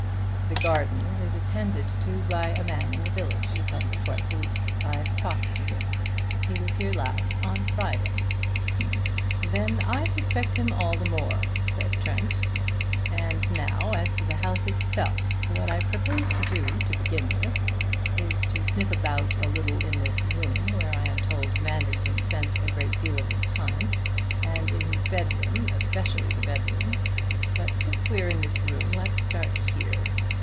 "The garden is attended to by a man in the village, who comes twice a week. I've talked to him. He was here last on Friday." "Then I suspect him all the more," said Trent. "And now as to the house itself. What I propose to do, to begin with, is to sniff about a little in this room, where I am told Manderson spent a great deal of his time, and in his bedroom; especially the bedroom. But since we're in this room, let's start here.